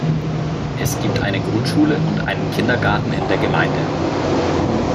Es gibt eine Grundschule und einen Kindergarten in der Gemeinde.